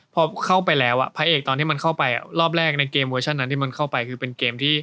พอเข้าไปแล้วพระเอกตอนที่มันเข้าไปรอบแรกในเกมเวอร์ชันนั้นที่มันเข้าไปคือเป็นเกมที่